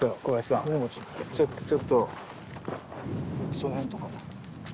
その辺とか。